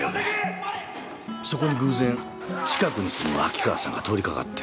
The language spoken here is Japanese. そこに偶然近くに住む秋川さんが通りかかって。